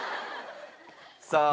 さあ